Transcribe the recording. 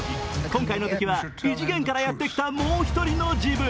今回の敵は異次元からやってきたもう１人の自分。